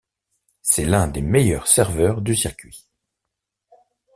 C'est l'un des meilleurs serveurs du circuit.